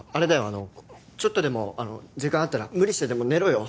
あのちょっとでもあの時間あったら無理してでも寝ろよ